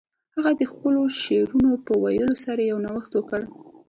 هغه د ښکلو شعرونو په ویلو سره یو نوښت وکړ